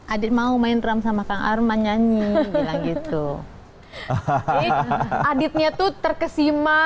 adik mau main drum sama kang arman nyanyi bilang gitu hahaha adiknya tuh terkesima